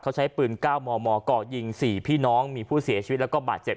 เขาใช้ปืน๙มมเกาะยิง๔พี่น้องมีผู้เสียชีวิตแล้วก็บาดเจ็บ